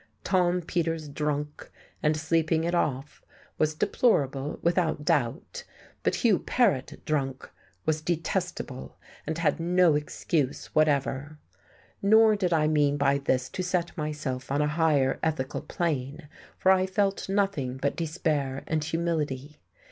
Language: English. Tom Peters drunk, and sleeping it off, was deplorable, without doubt; but Hugh Paret drunk was detestable, and had no excuse whatever. Nor did I mean by this to set myself on a higher ethical plane, for I felt nothing but despair and humility.